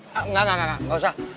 enggak enggak enggak enggak enggak usah